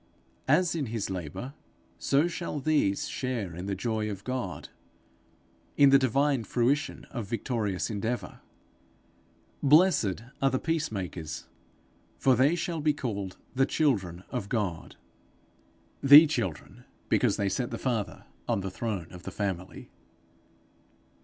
As in his labour, so shall these share in the joy of God, in the divine fruition of victorious endeavour. Blessed are the peace makers, for they shall be called the children of God the children because they set the Father on the throne of the Family.